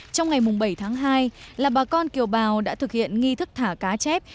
trong ngày bảy tháng hai là bà con kiều bào đã thực hiện nghi thức thả cá chép